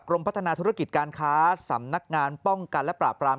พัฒนาธุรกิจการค้าสำนักงานป้องกันและปราบราม